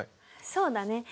そうだね。